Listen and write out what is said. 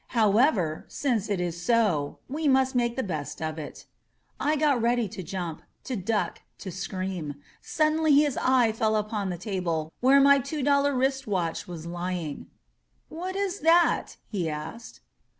"However, since it is so, we must make the best of it." I got ready to jump, to duck, to scream. Suddenly his eye fell upon the ta ble, where my two dollar wrist watch was lying. "What is that?" he asked.